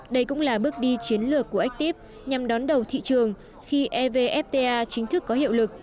đây cũng là bước đi chiến lược của akip nhằm đón đầu thị trường khi evfta chính thức có hiệu lực